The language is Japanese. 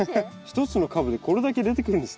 一つの株でこれだけ出てくるんですね。